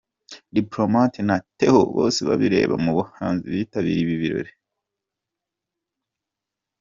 Diplomate na Theo Bose Babireba mu bahanzi bitabiriye ibi birori.